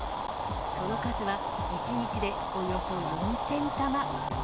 その数は１日でおよそ４０００玉。